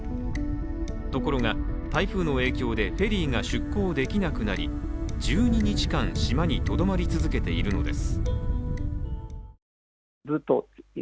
ところが台風の影響でフェリーが出航できなくなり、１２日間、島にとどまり続けているのです。